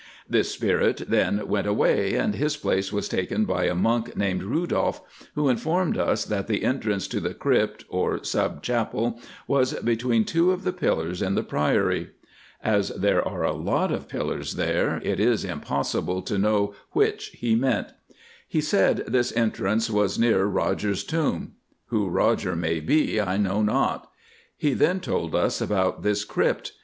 This spirit then went away, and his place was taken by a monk named Rudolph, who informed us that the entrance to the Crypt or sub Chapel was between two of the pillars in the Priory. As there are a lot of pillars there, it is impossible to know which he meant. He said this entrance was near Roger's tomb. Who Roger may be I know not. He then told us about this Crypt.